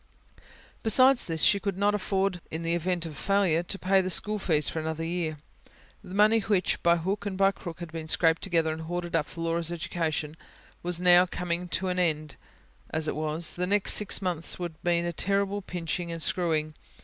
Besides this, she could not afford in the event of a failure, to pay the school fees for another year. The money which, by hook and by crook, had been scraped together and hoarded up for Laura's education was now coming to an end; as it was, the next six months would mean a terrible pinching and screwing.